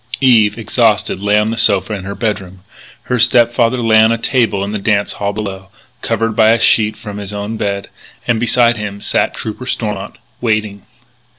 Eve, exhausted, lay on the sofa in her bedroom. Her step father lay on a table in the dance hall below, covered by a sheet from his own bed. And beside him sat Trooper Stormont, waiting.